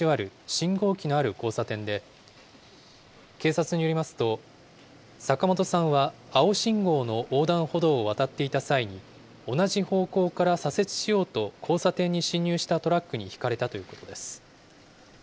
信号機のある交差点で、警察によりますと、坂本さんは青信号の横断歩道を渡っていた際に、同じ方向から左折しようと交差点に進入したトラックにひかれたということです。